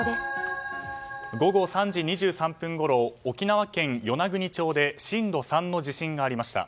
午後３時２３分ごろ沖縄県与那国町で震度３の地震がありました。